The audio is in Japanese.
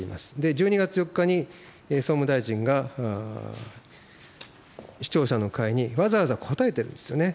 １２月４日に、総務大臣が視聴者の会に、わざわざ答えてるんですよね。